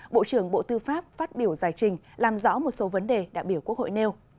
bộ trưởng bộ tư pháp phát biểu giải trình làm rõ một số vấn đề đại biểu quốc hội nêu